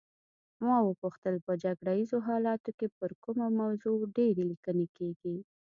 ما وپوښتل په جګړه ایزو حالاتو کې پر کومه موضوع ډېرې لیکنې کیږي.